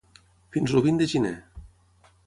Fins el vint de gener.